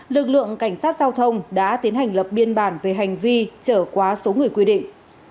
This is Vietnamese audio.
lực lượng cảnh sát giao thông đã tiến hành lập biên bản về hành vi trở quá số người quy định